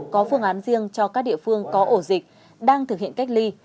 có phương án riêng cho các địa phương có ổ dịch đang thực hiện cách ly